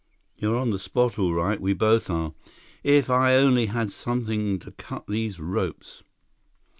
"You're on the spot all right. We both are. If I only had something to cut these ropes!"